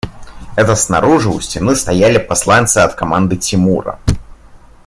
Это снаружи у стены стояли посланцы от команды Тимура.